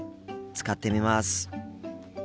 使ってみます。